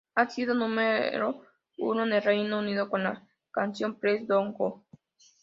Han sido número uno en el Reino Unido con la canción "Please Don't Go".